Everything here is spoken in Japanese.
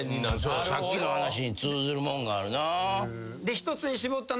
さっきの話に通ずるもんがあるな。